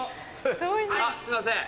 すいません。